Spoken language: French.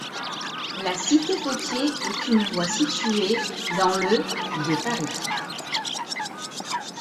La cité Pottier est une voie située dans le de Paris.